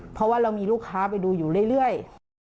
เพราะว่าเรามีลูกค้าไปดูอยู่เรื่อย